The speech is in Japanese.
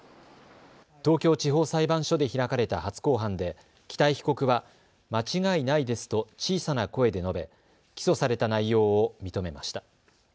東京地方裁判所で開かれた初公判で北井被告は間違いないですと小さな声で述べ起訴された内容を認めました。